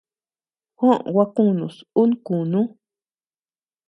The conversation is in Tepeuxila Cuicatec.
Juó gua kunus, un kunú.